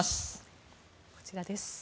こちらです。